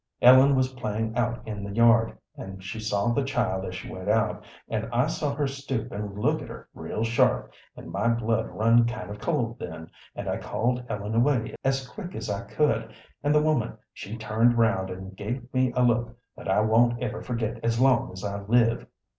Ellen was playing out in the yard, and she saw the child as she went out, and I see her stoop and look at her real sharp, and my blood run kind of cold then, and I called Ellen away as quick as I could; and the woman, she turned round and gave me a look that I won't ever forget as long as I live.